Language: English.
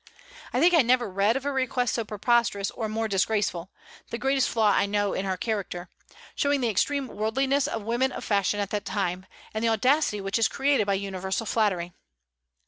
I think I never read of a request so preposterous or more disgraceful, the greatest flaw I know in her character, showing the extreme worldliness of women of fashion at that time, and the audacity which is created by universal flattery.